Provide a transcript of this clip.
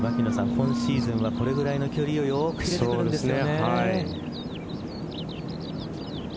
今シーズンはこのぐらいの距離をよく決めてくるんですよね。